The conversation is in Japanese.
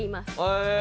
へえ！